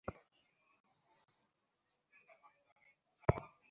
এমনি করিয়া এই দুই সঙ্গীহীন একক প্রাণী কতকাল একত্র যাপন করিল।